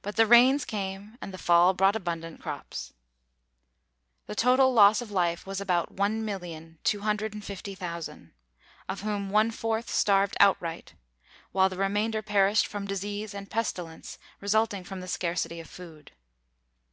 But the rains came, and the fall brought abundant crops. The total loss of life was about 1,250,000, of whom one fourth starved outright, while the remainder perished from disease and pestilence resulting from the scarcity of food.